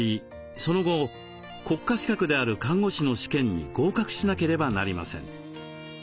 その後国家資格である看護師の試験に合格しなければなりません。